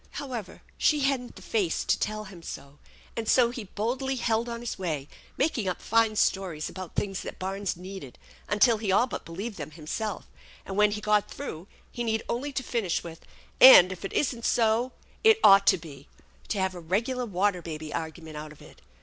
However, she hadn't the fact to tell him so; and so he boldly held on his way, making up fine stories about things that barns needed until he ail but believed them himself; and, when he got through, he needed only to finish with "And, if it isn't so, it ought to be " to have a regular Water Baby argument out of it.